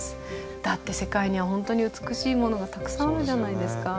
だって世界には本当に美しいものがたくさんあるじゃないですか。